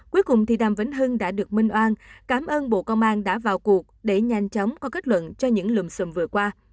cuối cùng thì đàm vĩnh hưng đã được minh oan cảm ơn bộ công an đã vào cuộc để nhanh chóng có kết luận cho những lùm xùm vừa qua